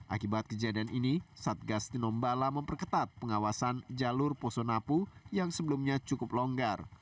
akibat kejadian ini satgas tinombala memperketat pengawasan jalur posonapu yang sebelumnya cukup longgar